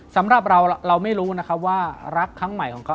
สำหรับเราเราไม่รู้นะครับว่ารักครั้งใหม่ของเขา